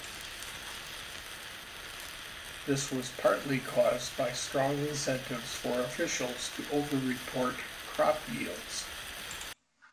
This was partly caused by strong incentives for officials to over-report crop yields.